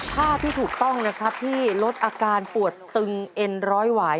ภาพที่ถูกต้องนะครับที่ลดอาการปวดตึงเอ็นร้อยหวาย